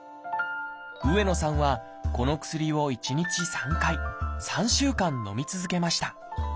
上野さんはこの薬を１日３回３週間のみ続けました。